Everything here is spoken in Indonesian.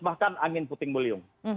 bahkan angin puting beliung